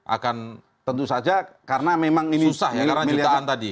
akan susah ya karena jutaan tadi